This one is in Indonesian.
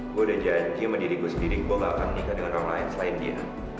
gue udah janji sama diriku sendiri gue gak akan nikah dengan orang lain selain dia